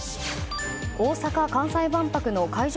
大阪・関西万博の会場